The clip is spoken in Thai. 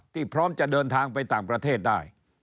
พร้อมจะเดินทางไปต่างประเทศได้